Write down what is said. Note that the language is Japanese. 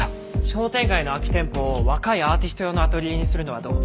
商店街の空き店舗を若いアーティスト用のアトリエにするのはどう？